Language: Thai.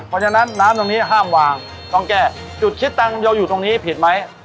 เพราะฉะนั้นน้ำตรงนี้ห้ามวางต้องแก้จุดคิดตังค์เราอยู่ตรงนี้ผิดไหม